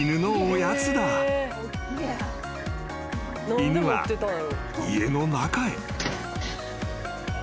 ［犬は家の中へ］